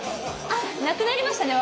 あっなくなりましたね